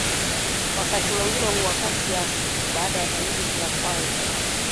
wakati mwingine huwa kati ya siku baada ya dalili za kwanza kuonekana